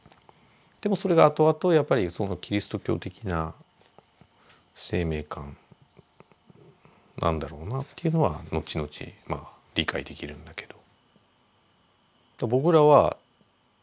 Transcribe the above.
でもそれがあとあとやっぱりキリスト教的な生命観なんだろうなというのは後々理解できるんだけど。